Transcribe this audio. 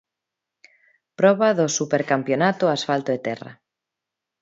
Proba do supercampionato asfalto e terra.